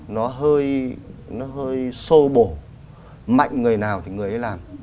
nó hơi sô bổ mạnh người nào thì người ấy làm